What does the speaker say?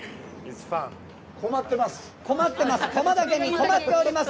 困ってます。